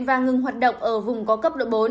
và ngừng hoạt động ở vùng có cấp độ bốn